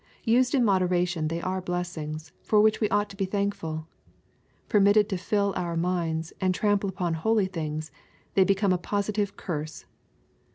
Used in moderation they are blessings, for which we ought to be thankful. Permitted to fill our minds, and trample upon holy things, they become a positive curse.